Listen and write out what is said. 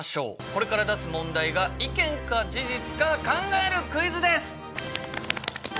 これから出す問題が意見か事実か考えるクイズです。